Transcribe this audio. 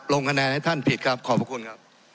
ลงคะแนนให้ท่านผิดครับขอบพระคุณครับ